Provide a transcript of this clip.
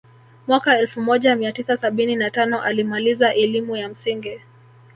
Mwaka elfu moja mia tisa sabini na tano alimaliza elimu ya msingi